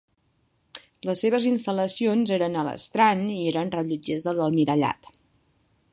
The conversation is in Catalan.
Les seves instal·lacions eren a l'Strand i eren rellotgers de l'Almirallat.